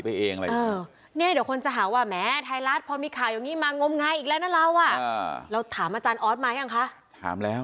เดี๋ยวคนจะหาว่าแหมไทยรัสพอมีข่าวอย่างนี้มางมงายอีกแล้วแล้วถามอาจารย์ออสมายังไหม